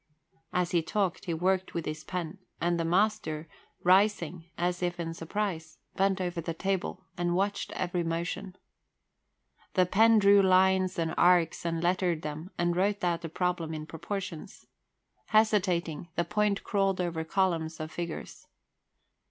As he talked, he worked with his pen, and the master, rising as if in surprise, bent over the table and watched every motion. The pen drew lines and arcs and lettered them and wrote out a problem in proportions. Hesitating, the point crawled over columns of figures.